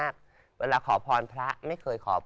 แปลกมากพอเรือขอพรพระไม่เคยขอพน